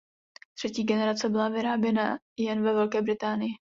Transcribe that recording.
Třetí generace byla vyráběna jen ve Velké Británii.